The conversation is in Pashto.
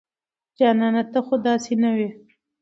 جانانه ته خو داسې نه وې